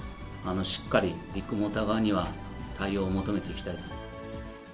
しっかりビッグモーター側には対応を求めていきたいと。